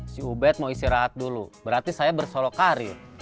si ubed mau istirahat dulu berarti saya bersolok karir